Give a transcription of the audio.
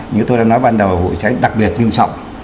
như tôi đã nói ban đầu vụ cháy đặc biệt nghiêm trọng